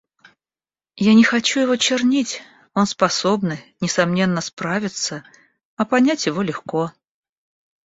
Я не хочу его чернить, он способный, несомненно справится, а понять его легко.